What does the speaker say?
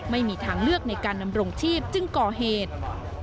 ไม่มีทางเลือกในการดำรงชีพจึงก่อเหตุ